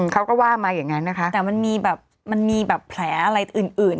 เขาก็ว่ามาอย่างนั้นนะคะแต่มันมีแบบมันมีแบบแผลอะไรอื่น